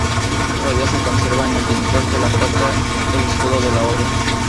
Todavía se conserva en el dintel de la puerta el escudo de la orden.